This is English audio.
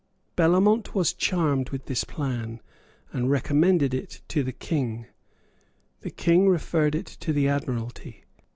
Bellamont was charmed with this plan, and recommended it to the King. The King referred it to the Admiralty.